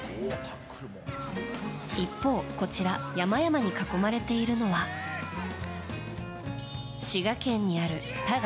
一方、こちら山々に囲まれているのは滋賀県にある多賀